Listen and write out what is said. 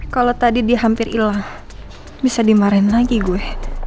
kalau tadi dia hampir ilah bisa dimarahin lagi gue